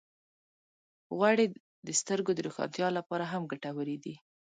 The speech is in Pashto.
غوړې د سترګو د روښانتیا لپاره هم ګټورې دي.